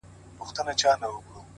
ستر بدلونونه له کوچنیو تصمیمونو زېږي؛